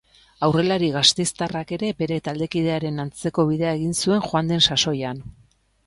Aurrelari gasteiztarrak ere bere taldekidearen antzeko bidea egin zuen joan den saoian.